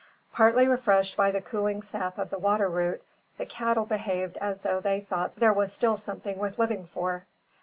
Partly refreshed by the cooling sap of the water root, the cattle behaved as though they thought there was still something worth living for.